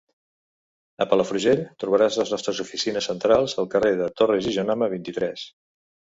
A Palafrugell trobaràs les nostres oficines centrals al carrer de Torres i Jonama, vint-i-tres.